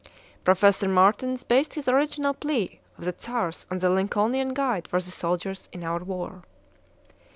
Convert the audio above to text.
Professor Martens based his original plea of the czar's on the Lincolnian guide for the soldiers in our war.